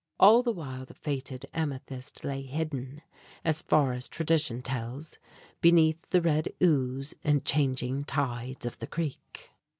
All the while the fated amethyst lay hidden, as far as tradition tells, beneath the red ooze and changing tides of the creek.